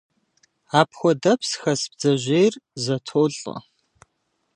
Апхуэдэпс хэс бдзэжьейр зэтолӀэ.